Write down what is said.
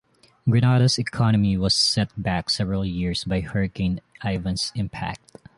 Grenada's economy was set back several years by Hurricane Ivan's impact.